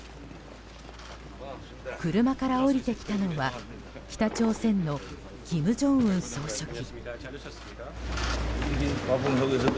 車から降りてきたのは北朝鮮の金正恩総書記。